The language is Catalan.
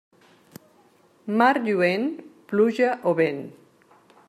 Mar lluent, pluja o vent.